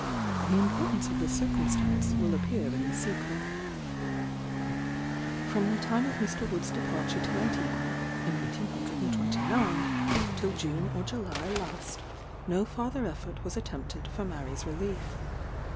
The importance of this circumstance will appear in the sequel. From the time of Mr. Wood's departure to Antigua, in 1829, till June or July last, no farther effort was attempted for Mary's relief.